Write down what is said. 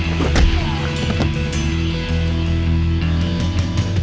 jangan sampai pada kita ada prebut ketuk kwil twist